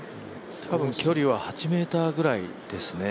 多分距離は８ｍぐらいですね。